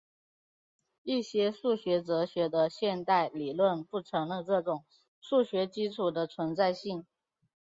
一些数学哲学的现代理论不承认这种数学基础的存在性。